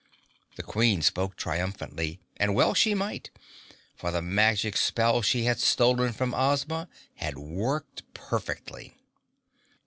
The Queen spoke triumphantly, and well she might, for the magic spell she had stolen from Ozma had worked perfectly.